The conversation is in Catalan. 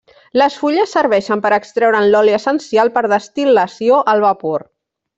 Les fulles serveixen per extreure'n l'oli essencial per destil·lació al vapor.